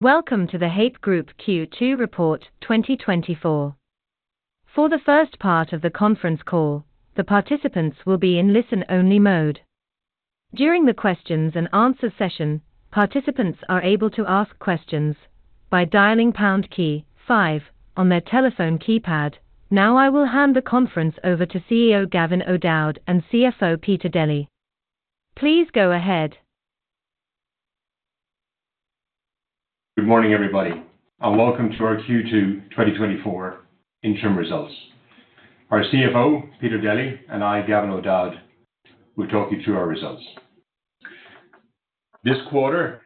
Welcome to the Haypp Group Q2 Report 2024. For the first part of the conference call, the participants will be in listen-only mode. During the questions and answer session, participants are able to ask questions by dialing pound key five on their telephone keypad. Now, I will hand the conference over to CEO Gavin O'Dowd and CFO Peter Deli. Please go ahead. Good morning, everybody, and welcome to our Q2 2024 interim results. Our CFO, Peter Deli, and I, Gavin O'Dowd, will talk you through our results. This quarter,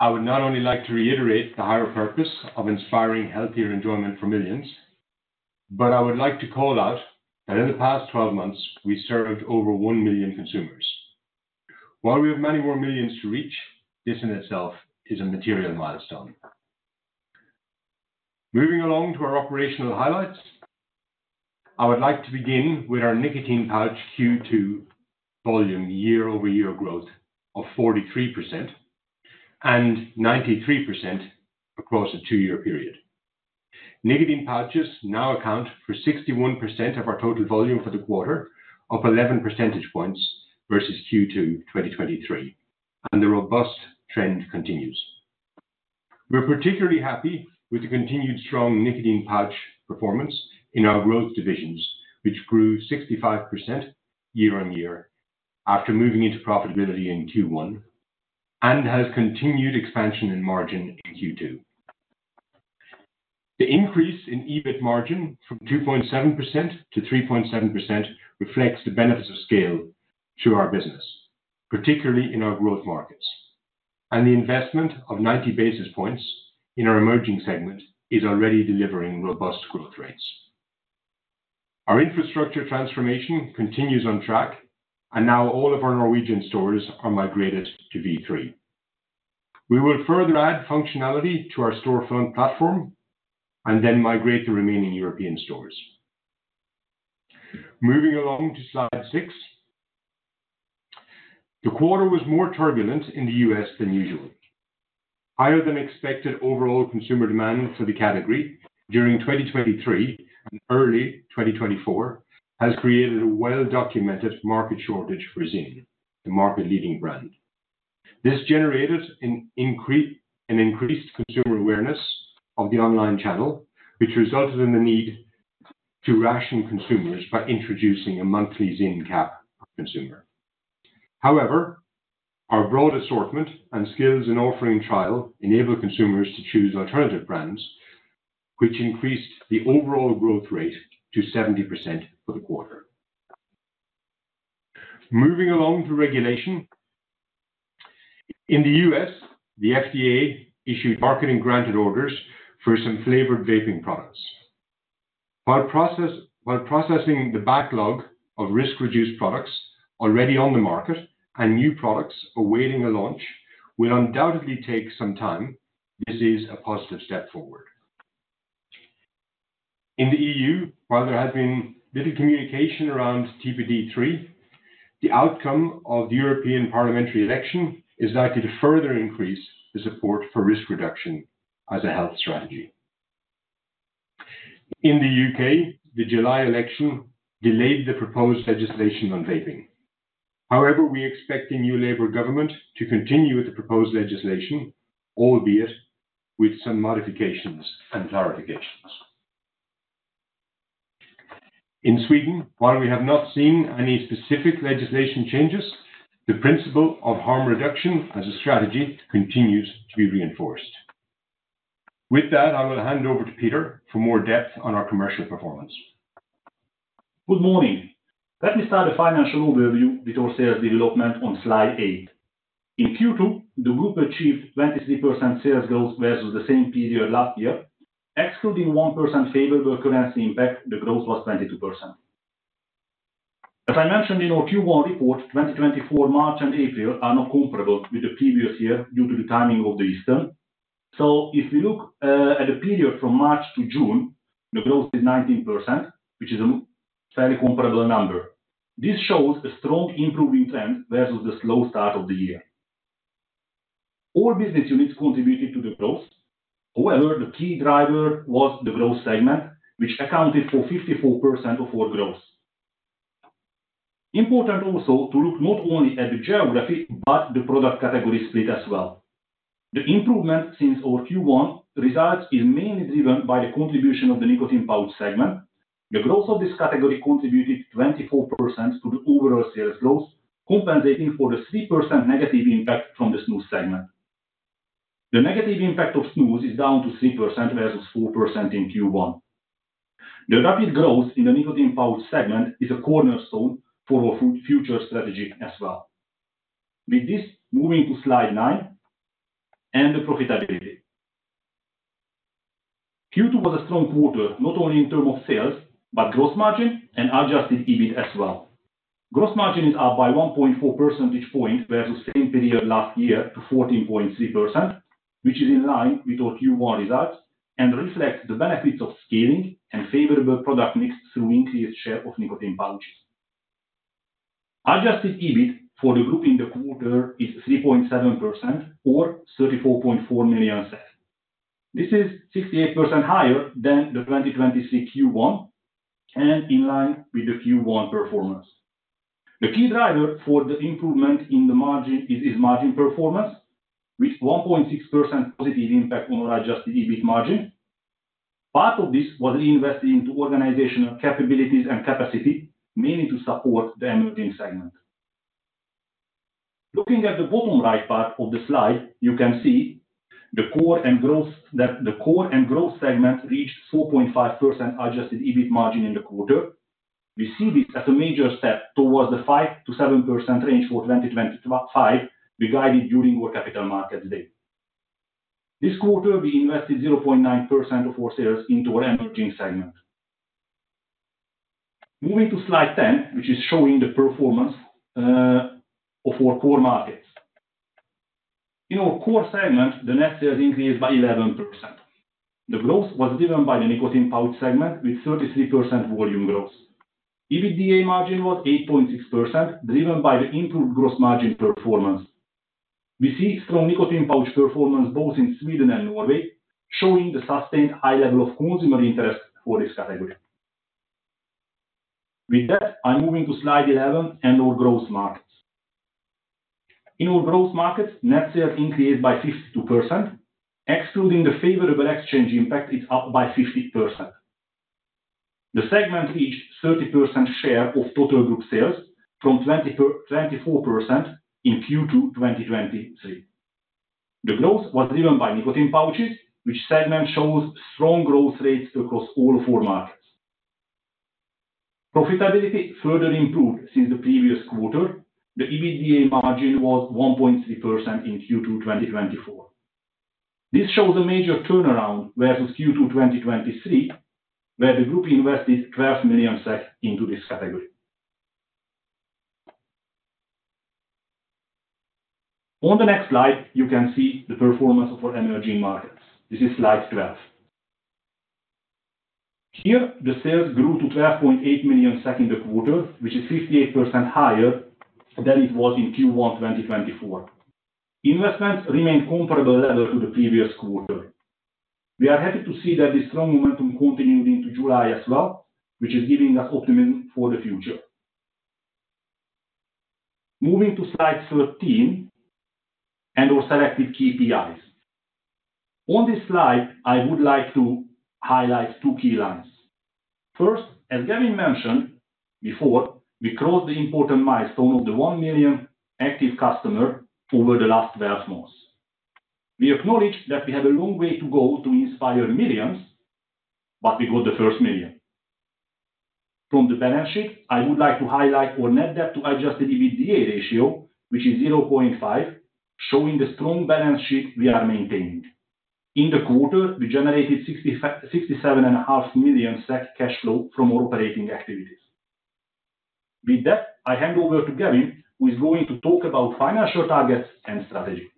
I would not only like to reiterate the higher purpose of inspiring healthier enjoyment for millions, but I would like to call out that in the past 12 months, we served over 1 million consumers. While we have many more millions to reach, this in itself is a material milestone. Moving along to our operational highlights, I would like to begin with our nicotine pouch Q2 volume year-over-year growth of 43% and 93% across a two-year period. Nicotine pouches now account for 61% of our total volume for the quarter, up 11 percentage points versus Q2 2023, and the robust trend continues. We're particularly happy with the continued strong nicotine pouch performance in our growth divisions, which grew 65% year-on-year after moving into profitability in Q1 and has continued expansion in margin in Q2. The increase in EBIT margin from 2.7% to 3.7% reflects the benefits of scale to our business, particularly in our growth markets, and the investment of 90 basis points in our emerging segment is already delivering robust growth rates. Our infrastructure transformation continues on track, and now all of our Norwegian stores are migrated to V3. We will further add functionality to our store front platform and then migrate the remaining European stores. Moving along to slide 6. The quarter was more turbulent in the US than usual. Higher than expected overall consumer demand for the category during 2023 and early 2024 has created a well-documented market shortage for ZYN, the market-leading brand. This generated an increased consumer awareness of the online channel, which resulted in the need to ration consumers by introducing a monthly ZYN cap consumer. However, our broad assortment and skills in offering trial enable consumers to choose alternative brands, which increased the overall growth rate to 70% for the quarter. Moving along to regulation. In the U.S., the FDA issued Marketing Granted Orders for some flavored vaping products. While processing the backlog of risk-reduced products already on the market and new products awaiting a launch will undoubtedly take some time, this is a positive step forward. In the EU, while there has been little communication around TPD3, the outcome of the European Parliamentary election is likely to further increase the support for risk reduction as a health strategy. In the UK, the July election delayed the proposed legislation on vaping. However, we expect the new Labour government to continue with the proposed legislation, albeit with some modifications and clarifications. In Sweden, while we have not seen any specific legislation changes, the principle of harm reduction as a strategy continues to be reinforced. With that, I will hand over to Peter for more depth on our commercial performance. Good morning. Let me start the financial overview with our sales development on slide 8. In Q2, the group achieved 23% sales growth versus the same period last year. Excluding 1% favorable currency impact, the growth was 22%. As I mentioned in our Q1 report, 2024, March and April are not comparable with the previous year due to the timing of the Easter. So if you look at the period from March to June, the growth is 19%, which is a fairly comparable number. This shows a strong improving trend versus the slow start of the year. All business units contributed to the growth. However, the key driver was the growth segment, which accounted for 54% of all growth. Important also to look not only at the geography, but the product category split as well. The improvement since our Q1 results is mainly driven by the contribution of the nicotine pouch segment. The growth of this category contributed 24% to the overall sales growth, compensating for the 3% negative impact from the snus segment. The negative impact of snus is down to 3% versus 4% in Q1. The rapid growth in the nicotine pouch segment is a cornerstone for our future strategy as well. With this, moving to slide nine and the profitability. Q2 was a strong quarter, not only in terms of sales, but gross margin and adjusted EBIT as well. Gross margin is up by 1.4 percentage points versus same period last year to 14.3%, which is in line with our Q1 results and reflects the benefits of scaling and favorable product mix through increased share of nicotine pouches.... Adjusted EBIT for the group in the quarter is 3.7%, or 34.4 million SEK. This is 68% higher than the 2023 Q1, and in line with the Q1 performance. The key driver for the improvement in the margin is margin performance, with 1.6% positive impact on our adjusted EBIT margin. Part of this was reinvested into organizational capabilities and capacity, mainly to support the emerging segment. Looking at the bottom right part of the slide, you can see the core and growth, that the core and growth segment reached 4.5% adjusted EBIT margin in the quarter. We see this as a major step towards the 5%-7% range for 2025, we guided during our Capital Markets Day. This quarter, we invested 0.9% of our sales into our emerging segment. Moving to slide 10, which is showing the performance of our core markets. In our core segment, the net sales increased by 11%. The growth was driven by the nicotine pouch segment, with 33% volume growth. EBITDA margin was 8.6%, driven by the improved gross margin performance. We see strong nicotine pouch performance both in Sweden and Norway, showing the sustained high level of consumer interest for this category. With that, I'm moving to slide 11 and our growth markets. In our growth markets, net sales increased by 52%. Excluding the favorable exchange impact, it's up by 50%. The segment reached 30% share of total group sales from twenty-four percent in Q2 2023. The growth was driven by nicotine pouches, which segment shows strong growth rates across all four markets. Profitability further improved since the previous quarter. The EBITDA margin was 1.3% in Q2 2024. This shows a major turnaround versus Q2 2023, where the group invested 12 million SEK into this category. On the next slide, you can see the performance of our emerging markets. This is slide 12. Here, the sales grew to 12.8 million SEK in the quarter, which is 58% higher than it was in Q1 2024. Investments remained comparable level to the previous quarter. We are happy to see that this strong momentum continued into July as well, which is giving us optimism for the future. Moving to slide 13 and our selected KPIs. On this slide, I would like to highlight two key lines. First, as Gavin mentioned before, we crossed the important milestone of the 1 million active customer over the last 12 months. We acknowledge that we have a long way to go to inspire millions, but we got the first million. From the balance sheet, I would like to highlight our net debt to adjusted EBITDA ratio, which is 0.5, showing the strong balance sheet we are maintaining. In the quarter, we generated 67.5 million SEK cash flow from our operating activities. With that, I hand over to Gavin, who is going to talk about financial targets and strategy.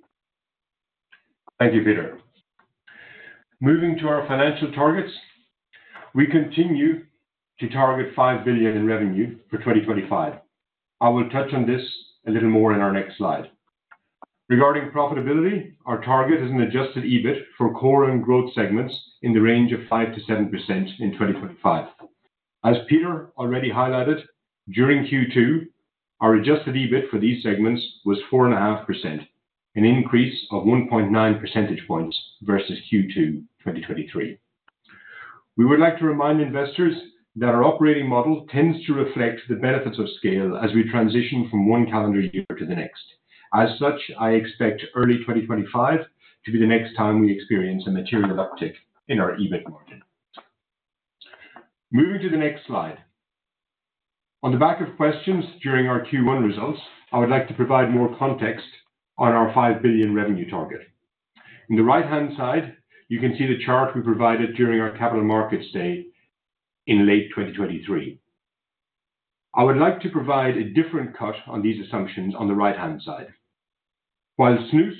Thank you, Peter. Moving to our financial targets, we continue to target 5 billion in revenue for 2025. I will touch on this a little more in our next slide. Regarding profitability, our target is an adjusted EBIT for core and growth segments in the range of 5%-7% in 2025. As Peter already highlighted, during Q2, our adjusted EBIT for these segments was 4.5%, an increase of 1.9 percentage points versus Q2 2023. We would like to remind investors that our operating model tends to reflect the benefits of scale as we transition from one calendar year to the next. As such, I expect early 2025 to be the next time we experience a material uptick in our EBIT margin. Moving to the next slide. On the back of questions during our Q1 results, I would like to provide more context on our 5 billion revenue target. On the right-hand side, you can see the chart we provided during our Capital Markets Day in late 2023. I would like to provide a different cut on these assumptions on the right-hand side. While snus,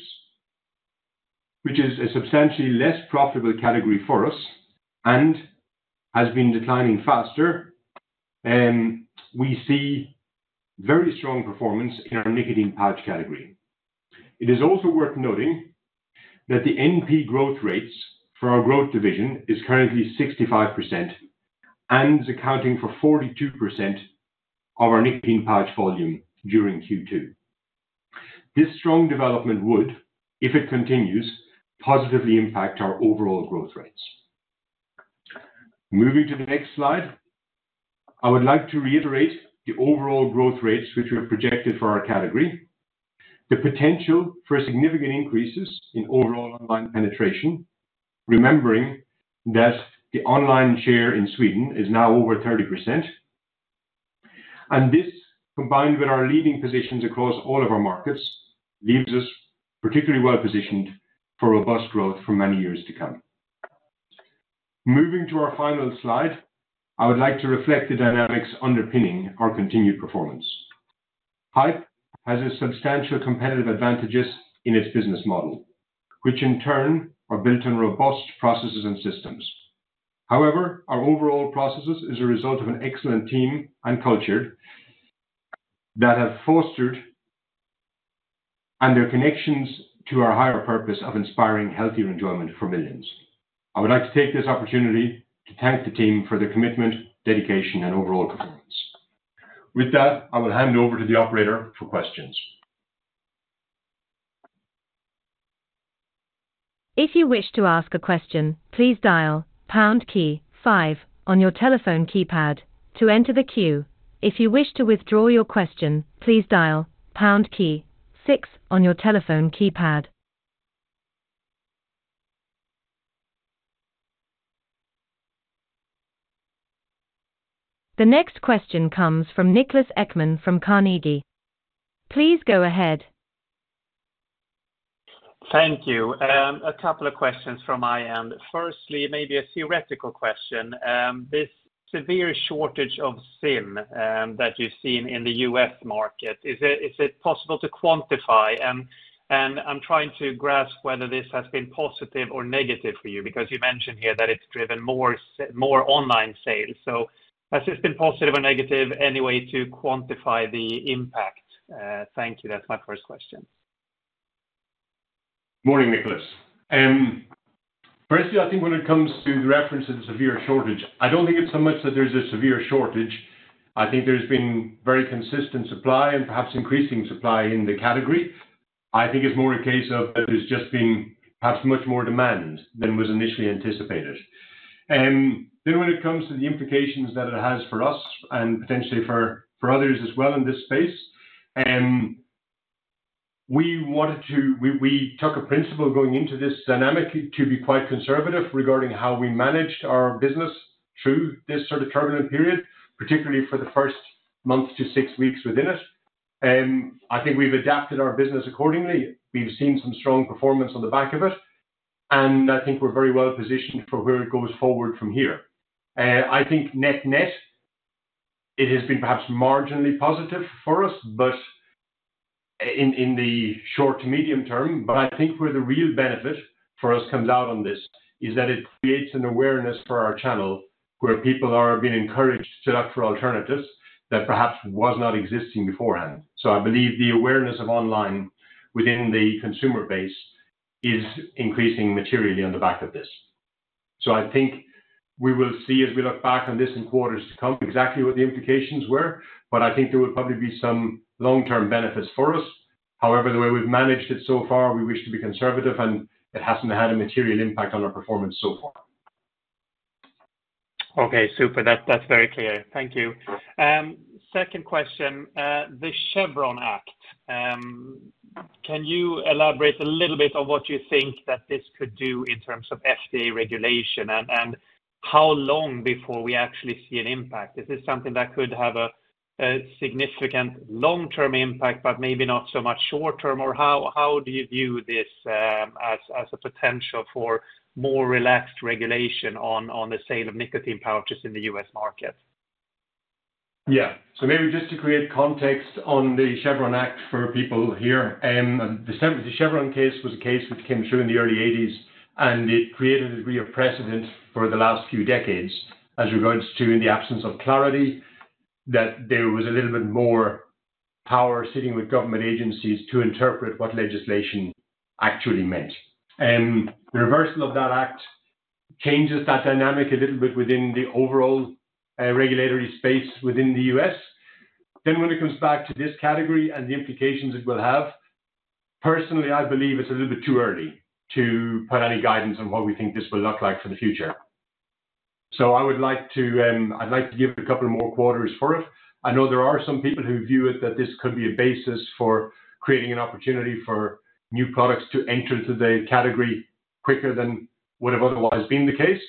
which is a substantially less profitable category for us and has been declining faster, we see very strong performance in our nicotine pouch category. It is also worth noting that the NP growth rates for our growth division is currently 65% and is accounting for 42% of our nicotine pouch volume during Q2. This strong development would, if it continues, positively impact our overall growth rates. Moving to the next slide, I would like to reiterate the overall growth rates which we have projected for our category, the potential for significant increases in overall online penetration, remembering that the online share in Sweden is now over 30%. And this, combined with our leading positions across all of our markets, leaves us particularly well positioned for robust growth for many years to come. Moving to our final slide, I would like to reflect the dynamics underpinning our continued performance. Haypp has a substantial competitive advantages in its business model, which in turn are built on robust processes and systems. However, our overall processes is a result of an excellent team and culture that have fostered and their connections to our higher purpose of inspiring healthier enjoyment for millions. I would like to take this opportunity to thank the team for their commitment, dedication, and overall performance. With that, I will hand over to the operator for questions. If you wish to ask a question, please dial pound key five on your telephone keypad to enter the queue. If you wish to withdraw your question, please dial pound key six on your telephone keypad. The next question comes from Niklas Ekman from Carnegie. Please go ahead. Thank you. A couple of questions from my end. Firstly, maybe a theoretical question. This severe shortage of ZYN that you've seen in the US market, is it possible to quantify? And I'm trying to grasp whether this has been positive or negative for you, because you mentioned here that it's driven more online sales. So has this been positive or negative? Any way to quantify the impact? Thank you. That's my first question. Morning, Niklas. Firstly, I think when it comes to the reference to the severe shortage, I don't think it's so much that there's a severe shortage. I think there's been very consistent supply and perhaps increasing supply in the category. I think it's more a case of there's just been perhaps much more demand than was initially anticipated. And then when it comes to the implications that it has for us and potentially for others as well in this space, we took a principle going into this dynamic to be quite conservative regarding how we managed our business through this sort of turbulent period, particularly for the first month to six weeks within it. I think we've adapted our business accordingly. We've seen some strong performance on the back of it, and I think we're very well positioned for where it goes forward from here. I think net-net, it has been perhaps marginally positive for us, but in the short to medium term, but I think where the real benefit for us comes out on this, is that it creates an awareness for our channel, where people are being encouraged to look for alternatives that perhaps was not existing beforehand. So I believe the awareness of online within the consumer base is increasing materially on the back of this. So I think we will see as we look back on this in quarters to come, exactly what the implications were, but I think there will probably be some long-term benefits for us. However, the way we've managed it so far, we wish to be conservative, and it hasn't had a material impact on our performance so far. Okay, super. That, that's very clear. Thank you. Second question, the Chevron deference, can you elaborate a little bit on what you think that this could do in terms of FDA regulation? And how long before we actually see an impact? Is this something that could have a significant long-term impact, but maybe not so much short term? Or how do you view this, as a potential for more relaxed regulation on the sale of nicotine pouches in the US market? Yeah. So maybe just to create context on the Chevron deference for people here. The Chevron case was a case which came through in the early 1980s, and it created a degree of precedent for the last few decades as regards to, in the absence of clarity, that there was a little bit more power sitting with government agencies to interpret what legislation actually meant. The reversal of that deference changes that dynamic a little bit within the overall regulatory space within the U.S. Then, when it comes back to this category and the implications it will have, personally, I believe it's a little bit too early to put any guidance on what we think this will look like for the future. So I would like to, I'd like to give it a couple more quarters for it. I know there are some people who view it that this could be a basis for creating an opportunity for new products to enter into the category quicker than would have otherwise been the case.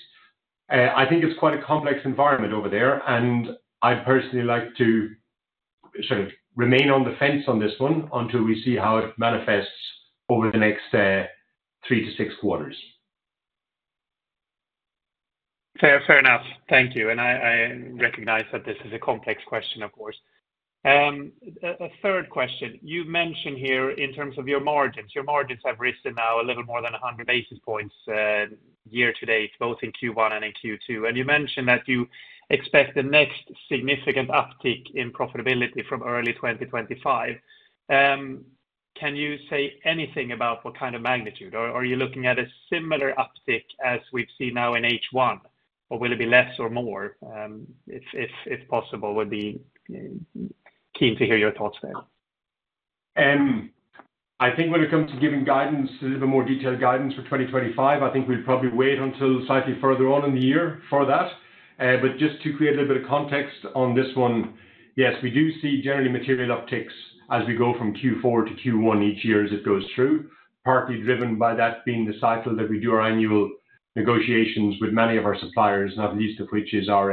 I think it's quite a complex environment over there, and I'd personally like to sort of remain on the fence on this one until we see how it manifests over the next 3-6 quarters. Fair, fair enough. Thank you, and I recognize that this is a complex question, of course. A third question, you've mentioned here in terms of your margins. Your margins have risen now a little more than 100 basis points year to date, both in Q1 and in Q2, and you mentioned that you expect the next significant uptick in profitability from early 2025. Can you say anything about what kind of magnitude, or are you looking at a similar uptick as we've seen now in H1, or will it be less or more? If possible, would be keen to hear your thoughts there. I think when it comes to giving guidance, a little more detailed guidance for 2025, I think we'd probably wait until slightly further on in the year for that. But just to create a little bit of context on this one, yes, we do see generally material upticks as we go from Q4 to Q1 each year as it goes through, partly driven by that being the cycle that we do our annual negotiations with many of our suppliers, not least of which is our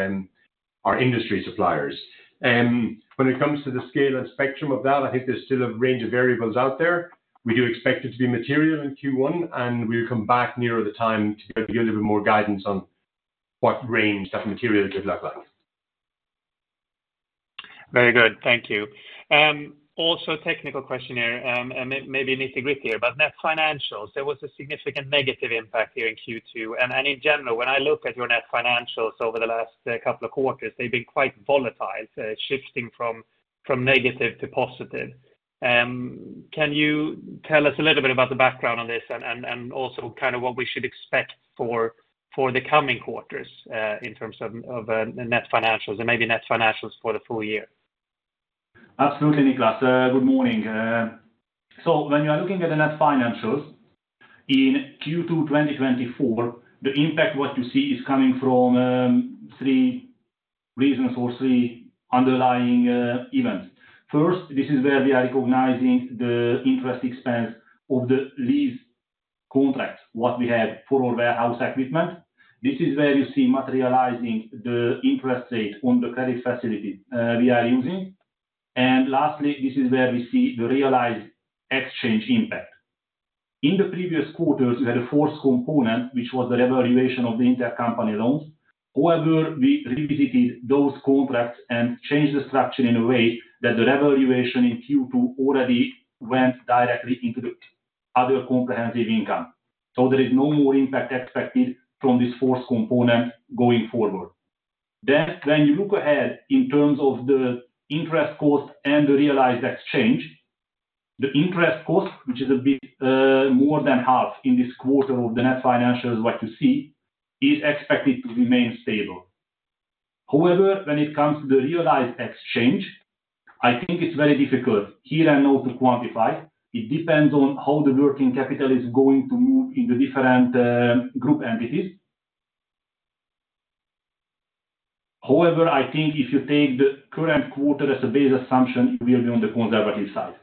our industry suppliers. When it comes to the scale and spectrum of that, I think there's still a range of variables out there. We do expect it to be material in Q1, and we'll come back nearer the time to give a little bit more guidance on what range that material could look like. Very good. Thank you. Also technical questionnaire, and maybe nitty-gritty here, but net financials, there was a significant negative impact here in Q2. And in general, when I look at your net financials over the last couple of quarters, they've been quite volatile, shifting from negative to positive. Can you tell us a little bit about the background on this and also kind of what we should expect for the coming quarters, in terms of the net financials and maybe net financials for the full year? Absolutely, Niklas. Good morning. So when you are looking at the net financials in Q2 2024, the impact, what you see is coming from three reasons or three underlying events. First, this is where we are recognizing the interest expense of the lease contract, what we had for our warehouse equipment. This is where you see materializing the interest rate on the credit facility we are using. And lastly, this is where we see the realized exchange impact. In the previous quarters, we had a fourth component, which was the revaluation of the intercompany loans. However, we revisited those contracts and changed the structure in a way that the revaluation in Q2 already went directly into the other comprehensive income. So there is no more impact expected from this fourth component going forward. Then, when you look ahead in terms of the interest cost and the realized exchange, the interest cost, which is a bit, more than half in this quarter of the net financials, what you see, is expected to remain stable. However, when it comes to the realized exchange, I think it's very difficult here and now to quantify. It depends on how the working capital is going to move in the different, group entities. However, I think if you take the current quarter as a base assumption, it will be on the conservative side.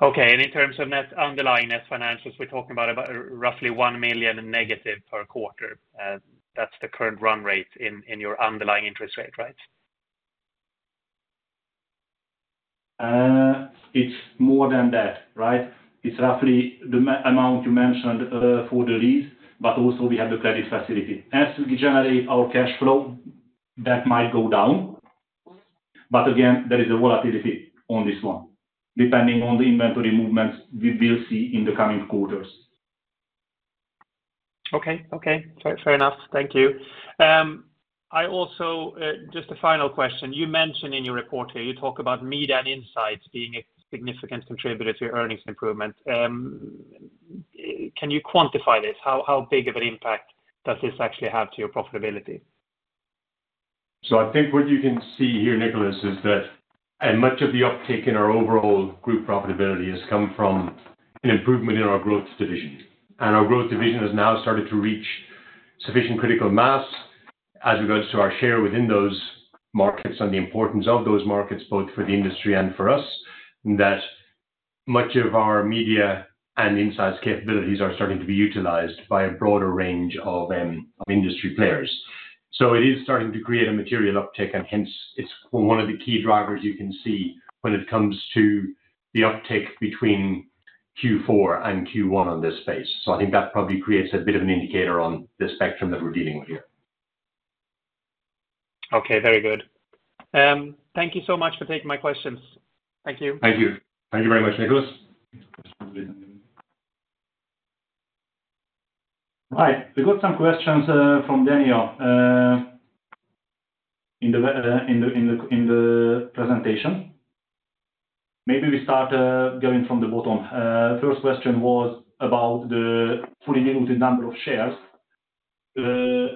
Okay. And in terms of net underlying net financials, we're talking about, about roughly -1 million per quarter, that's the current run rate in your underlying interest rate, right? It's more than that, right? It's roughly the amount you mentioned, for the lease, but also we have the credit facility. As we generate our cash flow, that might go down, but again, there is a volatility on this one. Depending on the inventory movements, we will see in the coming quarters. Okay. Okay, fair, fair enough. Thank you. I also just a final question. You mentioned in your report here, you talk about Media and Insights being a significant contributor to earnings improvement. Can you quantify this? How, how big of an impact does this actually have to your profitability? So I think what you can see here, Niklas, is that, and much of the uptick in our overall group profitability has come from an improvement in our growth division. And our growth division has now started to reach sufficient critical mass as regards to our share within those markets and the importance of those markets, both for the industry and for us, that much of our media and insights capabilities are starting to be utilized by a broader range of, of industry players. So it is starting to create a material uptick, and hence it's one of the key drivers you can see when it comes to the uptick between Q4 and Q1 on this space. So I think that probably creates a bit of an indicator on the spectrum that we're dealing with here. Okay, very good. Thank you so much for taking my questions. Thank you. Thank you. Thank you very much, Niklas. Right. We got some questions from Daniel in the presentation. Maybe we start going from the bottom. First question was about the fully diluted number of shares,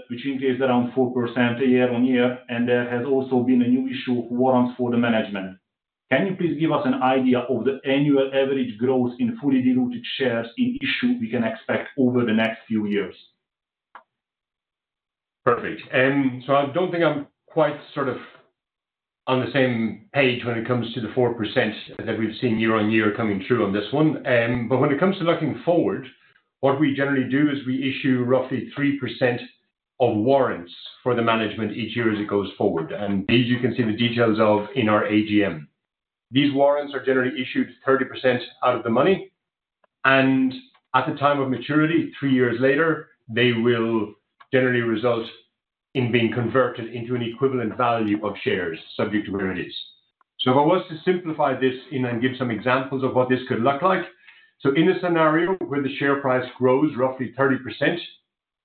which increased around 4% year-on-year, and there has also been a new issue of warrants for the management. Can you please give us an idea of the annual average growth in fully diluted shares in issue we can expect over the next few years? Perfect. So I don't think I'm quite sort of on the same page when it comes to the 4% that we've seen year-on-year coming through on this one. But when it comes to looking forward, what we generally do is we issue roughly 3% of warrants for the management each year as it goes forward. These you can see the details of in our AGM. These warrants are generally issued 30% out of the money, and at the time of maturity, three years later, they will generally result in being converted into an equivalent value of shares, subject to where it is. So if I was to simplify this and give some examples of what this could look like, so in a scenario where the share price grows roughly 30%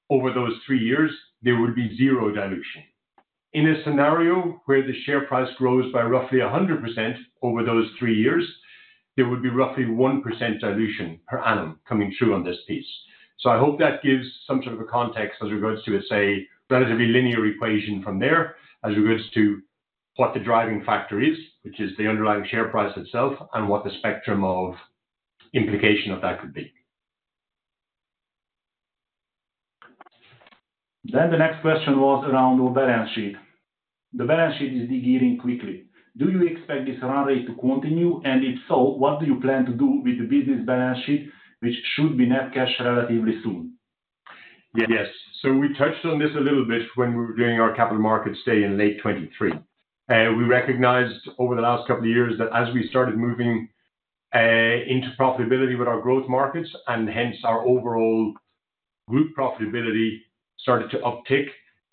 over those three years, there would be zero dilution. In a scenario where the share price grows by roughly 100% over those three years, there would be roughly 1% dilution per annum coming through on this piece. So I hope that gives some sort of a context as regards to, let's say, relatively linear equation from there, as regards to what the driving factor is, which is the underlying share price itself, and what the spectrum of implication of that could be. Then the next question was around our balance sheet. The balance sheet is degearing quickly. Do you expect this run rate to continue? And if so, what do you plan to do with the business balance sheet, which should be net cash relatively soon? Yes. So we touched on this a little bit when we were doing our Capital Markets Day in late 2023. We recognized over the last couple of years that as we started moving into profitability with our growth markets, and hence our overall group profitability started to uptick,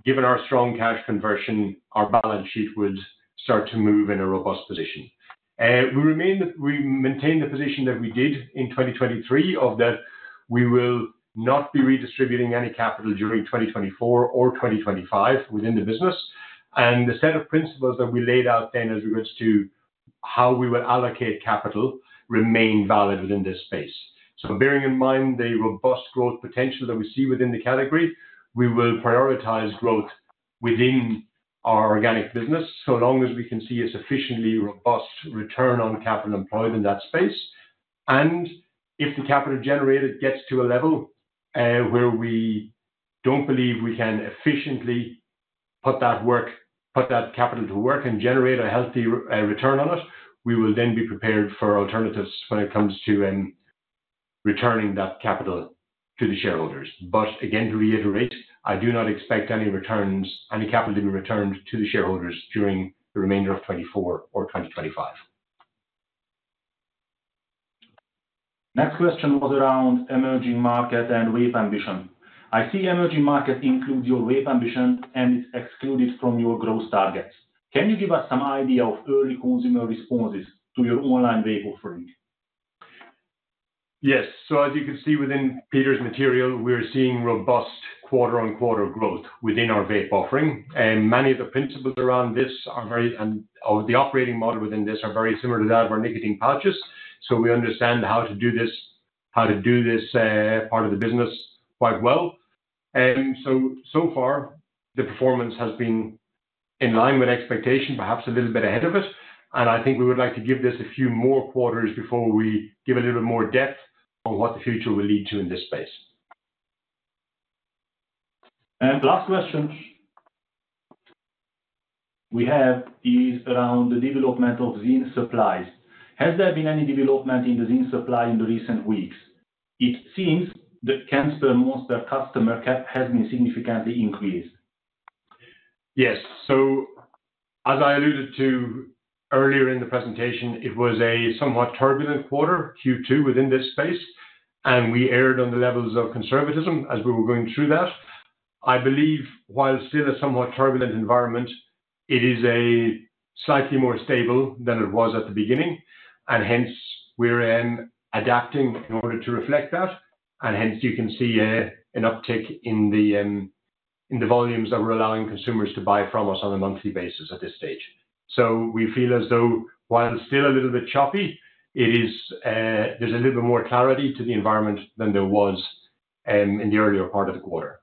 given our strong cash conversion, our balance sheet would start to move in a robust position. We remain, we maintain the position that we did in 2023, of that we will not be redistributing any capital during 2024 or 2025 within the business. And the set of principles that we laid out then as regards to how we will allocate capital remain valid within this space. So bearing in mind the robust growth potential that we see within the category, we will prioritize growth within our organic business, so long as we can see a sufficiently robust return on capital employed in that space. And if the capital generated gets to a level, where we don't believe we can efficiently put that capital to work and generate a healthy return on it, we will then be prepared for alternatives when it comes to returning that capital to the shareholders. But again, to reiterate, I do not expect any capital to be returned to the shareholders during the remainder of 2024 or 2025. Next question was around emerging market and vape ambition. I see emerging market includes your vape ambition and it's excluded from your growth targets. Can you give us some idea of early consumer responses to your online vape offering? Yes. So as you can see within Peter's material, we're seeing robust quarter-on-quarter growth within our vape offering. And many of the principles around this are very... And, the operating model within this are very similar to that of our nicotine pouches. So we understand how to do this, how to do this, part of the business quite well. And so, so far, the performance has been in line with expectation, perhaps a little bit ahead of it, and I think we would like to give this a few more quarters before we give a little bit more depth on what the future will lead to in this space. The last question we have is around the development of ZYN supplies. Has there been any development in the ZYN supply in the recent weeks? It seems that cans per month customer cap has been significantly increased. Yes. So as I alluded to earlier in the presentation, it was a somewhat turbulent quarter, Q2, within this space, and we erred on the levels of conservatism as we were going through that. I believe while still a somewhat turbulent environment, it is a slightly more stable than it was at the beginning, and hence we're adapting in order to reflect that. And hence you can see an uptick in the volumes that we're allowing consumers to buy from us on a monthly basis at this stage. So we feel as though, while it's still a little bit choppy, it is, there's a little bit more clarity to the environment than there was in the earlier part of the quarter.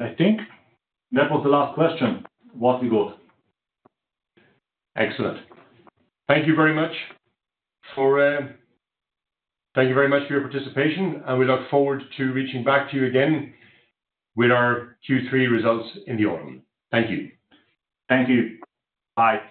I think that was the last question. Was it good? Excellent. Thank you very much for your participation, and we look forward to reaching back to you again with our Q3 results in the autumn. Thank you. Thank you. Bye.